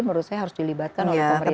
menurut saya harus dilibatkan oleh pemerintah